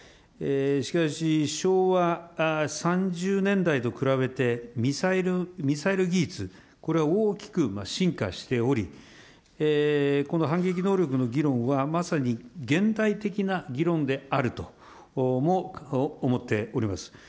しかし、昭和３０年代と比べてミサイル技術、これは大きく進化しており、この反撃能力の議論は、まさに現代的な議論であるとも思っております。